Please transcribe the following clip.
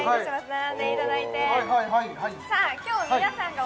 並んでいただいてはい